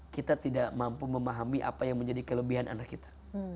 kita tidak mampu memahami apa yang menjadi kelebihan anak kita